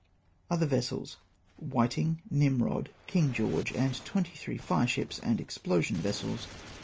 Other Vessels : Whiting, Nimrod, King George, and 23 fire shipa and explosion vessels.